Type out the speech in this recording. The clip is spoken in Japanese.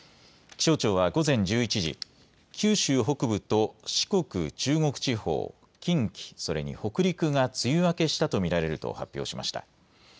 気象庁は午前１１時、九州北部と四国、中国地方、近畿、それに北陸が梅雨明けしたと見られると発表しました。